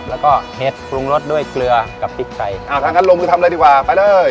แล้วก็เฮ็ดพรุงรสด้วยเกลือกับปิ๊บไก่อ่าทั้งคันโรงมือทำเลยดีกว่าไปเลย